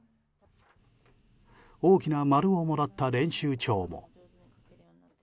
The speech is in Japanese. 大きな丸をもらった練習帳も。